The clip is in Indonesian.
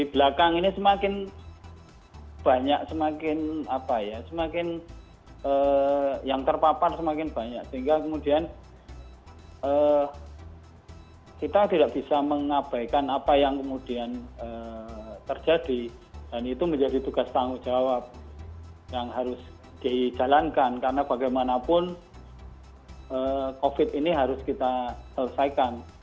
di belakang ini semakin banyak semakin apa ya semakin yang terpapar semakin banyak sehingga kemudian kita tidak bisa mengabaikan apa yang kemudian terjadi dan itu menjadi tugas tanggung jawab yang harus dijalankan karena bagaimanapun covid ini harus kita selesaikan